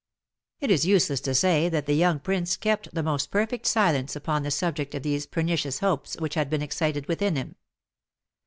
It is useless to say that the young prince kept the most perfect silence upon the subject of those pernicious hopes which had been excited within him.